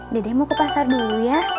dede mau ke pasar dulu ya